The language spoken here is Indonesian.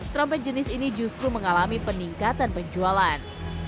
trompet jenis ini justru mengalami peningkatan penjualan